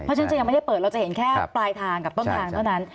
เพราะฉะนั้นจะยังไม่ได้เปิดเราจะเห็นแค่ปลายทางกับต้นทางเท่านั้น